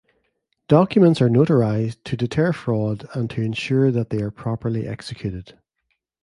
Documents are notarized to deter fraud and to ensure they are properly executed.